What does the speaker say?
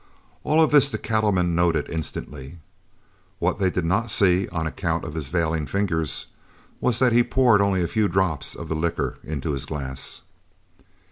All of this the cattlemen noted instantly. What they did not see on account of his veiling fingers was that he poured only a few drops of the liquor into his glass.